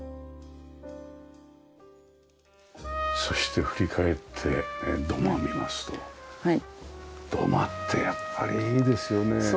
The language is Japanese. そして振り返って土間見ますと土間ってやっぱりいいですよね。